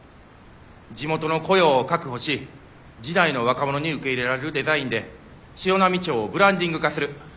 地元の雇用を確保し次代の若者に受け入れられるデザインで潮波町をブランディング化する。